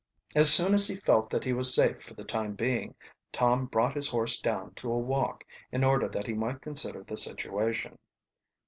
As soon as he felt that he was safe for the time being, Tom brought his horse down to a walk, in order that he might consider the situation.